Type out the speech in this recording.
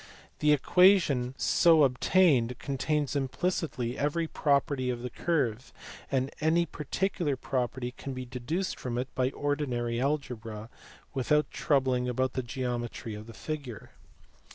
The equa tion so obtained contains implicitly every property of the curve, and any particular property can be deduced from it by ordinary algebra without troubling about the geometry of the figure.